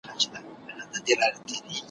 چي ګوندي ستا په نه راختلو `